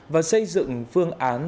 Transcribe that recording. và xây dựng phương án